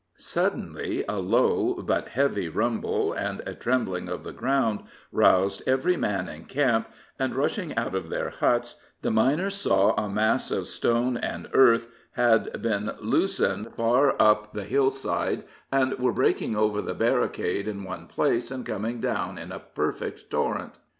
] Suddenly a low but heavy rumble, and a trembling of the ground, roused every man in camp, and, rushing out of their huts, the miners saw a mass of stones and earth had been loosened far up the hillside, and were breaking over the barricade in one place, and coming down in a perfect torrent.